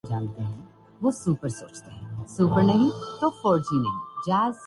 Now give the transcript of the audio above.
سائیں زرداری بھی پہلے یہئ کام کرتا تھا